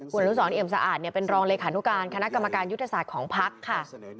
คุณอนุสรเอี่ยมสะอาดเป็นรองเลขานุการคณะกรรมการยุทธศาสตร์ของพักค่ะ